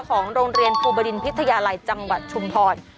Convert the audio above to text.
ของโรงเรียนภูบดินพิทยาลัยจังหวัดชุมพร